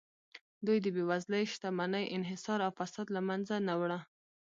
دوی د بېوزلۍ، شتمنۍ انحصار او فساد له منځه نه وړه